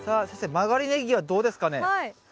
曲がりネギはどうですかね？